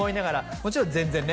もちろん全然ね